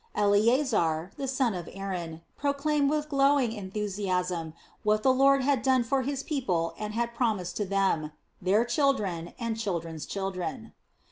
Eleasar, the son of Aaron, proclaimed with glowing enthusiasm what the Lord had done for his people and had promised to them, their children, and children's children.